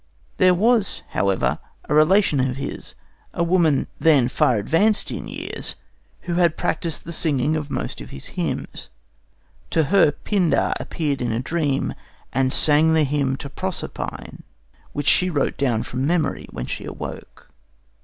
There was, however, a relation of his, a woman then far advanced in years, who had practised the singing of most of his hymns. To her Pindar appeared in a dream and sang the hymn to Proserpine, which she wrote down from memory when she awoke.